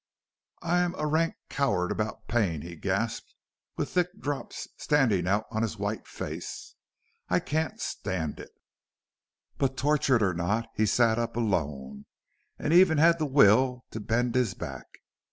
"I'm a rank coward about pain," he gasped, with thick drops standing out on his white face. "I can't stand it." But tortured or not, he sat up alone, and even had the will to bend his back.